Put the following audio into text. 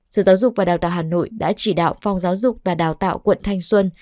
sở giáo dục và đào tạo hà nội đã chỉ đạo phòng giáo dục và đào tạo quận thanh xuân